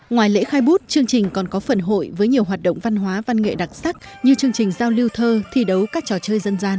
ngoài lễ khai bút chương trình còn có phần hội với nhiều hoạt động văn hóa văn nghệ đặc sắc như chương trình giao lưu thơ thi đấu các trò chơi dân gian